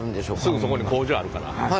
すぐそこに工場あるから。